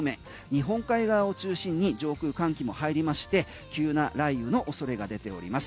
日本海側を中心に上空、寒気も入りまして急な雷雨の恐れが出ております。